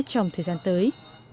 trong thời gian tới